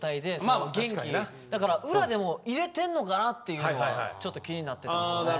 だから裏でも入れてんのかなっていうのはちょっと気になってたんですよね。